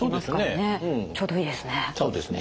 ちょうどいいですね。